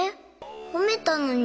ほめたのに。